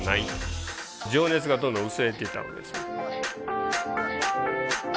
情熱がどんどん薄れていったわけです。